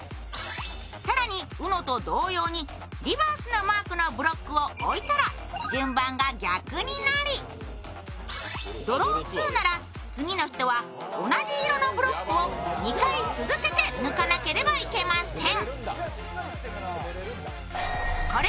更に、ＵＮＯと同様のリバースのマークを置いたら順番が逆になり、ドローツーなら次の人は同じ色のブロックを２回続けて抜かなければいけません。